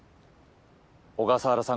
小笠原さん